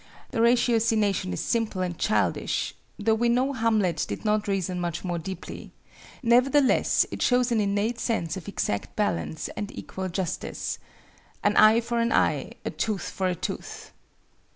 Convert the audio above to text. The ratiocination is simple and childish (though we know Hamlet did not reason much more deeply), nevertheless it shows an innate sense of exact balance and equal justice "An eye for an eye, a tooth for a tooth."